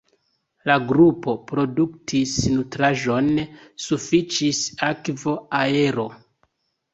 La grupo produktis nutraĵon, sufiĉis akvo, aero.